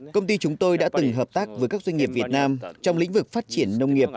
công ty chúng tôi đã từng hợp tác với các doanh nghiệp việt nam trong lĩnh vực phát triển nông nghiệp